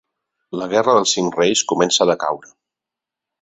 La Guerra dels Cinc Reis comença a decaure.